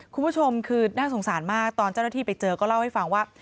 คุณผู้ชมคือน่าสงสารมากตอนเจ้าหน้าที่ไปเจอก็เล่าให้ฟังว่า